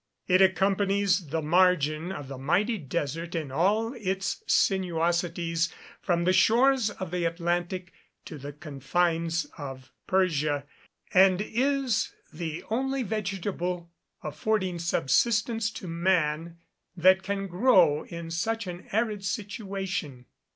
It accompanies the margin of the mighty desert in all its sinuosities from the shores of the Atlantic to the confines of Persia, and is the only vegetable affording subsistence to man that can grow in such an arid situation.